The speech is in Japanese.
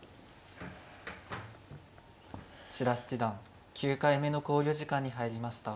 千田七段９回目の考慮時間に入りました。